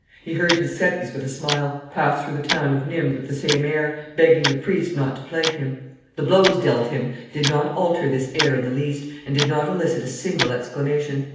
He heard his sentence with a smile, passed through the town of Nimes with the same air, begging the priest not to plague him; the blows dealt him did not alter this air in the least, and did not elicit a single exclamation.